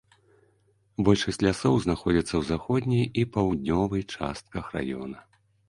Большасць лясоў знаходзіцца ў заходняй і паўднёвай частках раёна.